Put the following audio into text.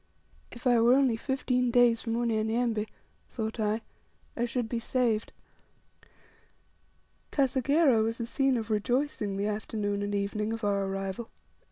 If I were only fifteen days from Unyanyembe, thought I, I should be saved! Kasegera was a scene of rejoicing the afternoon and evening of our arrival.